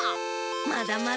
まだまだ！